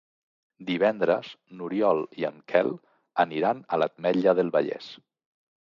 Divendres n'Oriol i en Quel aniran a l'Ametlla del Vallès.